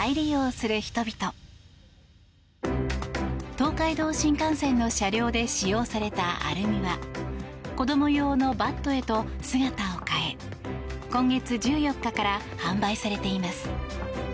東海道新幹線の車両で使用されたアルミは子供用のバットへと姿を変え今月１４日から販売されています。